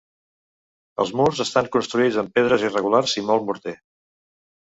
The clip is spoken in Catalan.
Els murs estan construïts amb pedres irregulars i molt morter.